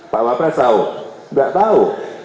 pak wapres tahu nggak tahu